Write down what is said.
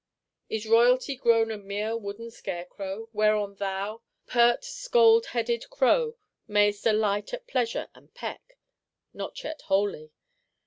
Is Royalty grown a mere wooden Scarecrow; whereon thou, pert scald headed crow, mayest alight at pleasure, and peck? Not yet wholly.